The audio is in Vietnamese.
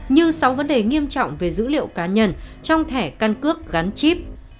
như sáu vấn đề nghiêm trọng về dữ liệu cá nhân trong thẻ căn cước gắn chip